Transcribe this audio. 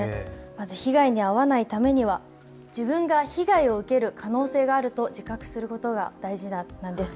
まず被害に遭わないためには自分が被害を受ける可能性があると自覚することが大事なんです。